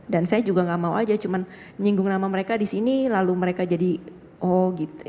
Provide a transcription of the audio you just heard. dan saya juga tidak mau saja cuman nyinggung nama mereka di sini lalu mereka jadi oh gitu